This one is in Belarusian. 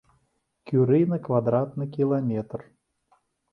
Кюры на квадратны кіламетр.